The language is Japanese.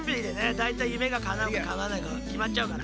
だいたい夢がかなうかかなわないかきまっちゃうから。